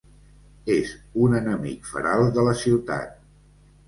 És un enemic feral de la ciutat.